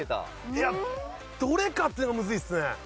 いやどれかっていうのがむずいっすね。